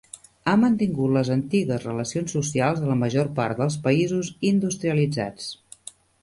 Ha mantingut les antigues relacions socials a la major part dels països industrialitzats.